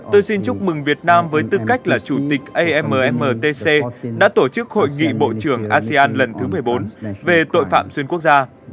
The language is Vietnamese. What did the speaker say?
tôi xin chúc mừng việt nam với tư cách là chủ tịch ammtc đã tổ chức hội nghị bộ trưởng asean lần thứ một mươi bốn về tội phạm xuyên quốc gia